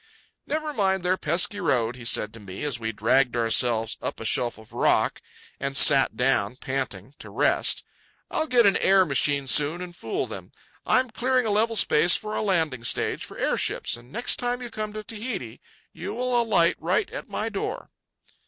"Never mind their pesky road," he said to me as we dragged ourselves up a shelf of rock and sat down, panting, to rest. "I'll get an air machine soon and fool them. I'm clearing a level space for a landing stage for the airships, and next time you come to Tahiti you will alight right at my door."